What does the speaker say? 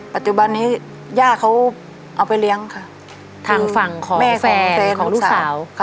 ปัจจุบันนี้ย่าเขาเอาไปเลี้ยงค่ะทางฝั่งของแม่แฟนของลูกสาว